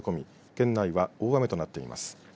県内は大雨となっています。